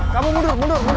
kamu mundur mundur mundur